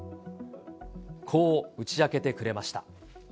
こう打ち明けてくれました。